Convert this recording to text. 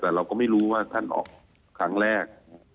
แต่เราก็ไม่รู้ว่าท่านออกครั้งแรก